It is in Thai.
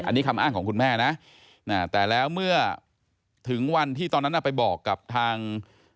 อันนี้คำอ้างของคุณแม่นะแต่แล้วเมื่อถึงวันที่ตอนนั้นไปบอกกับทาง